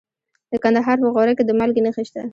د کندهار په غورک کې د مالګې نښې شته.